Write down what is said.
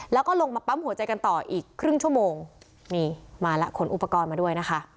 แล้วก็ลงมาปั๊มหัวใจกันต่ออีกครึ่งชั่วโมงนี่มาแล้วขนอุปกรณ์มาด้วยนะคะ